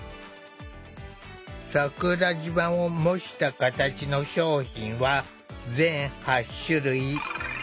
桜島を模した形の商品は全８種類。